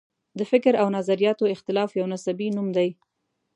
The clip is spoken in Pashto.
د فکر او نظریاتو اختلاف یو نصبي نوم دی.